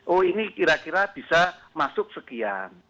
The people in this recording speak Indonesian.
oh ini kira kira bisa masuk sekian